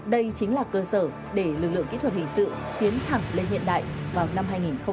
đây chính là cơ sở để lực lượng kỹ thuật hình sự tiến thẳng lên hiện đại vào năm hai nghìn hai mươi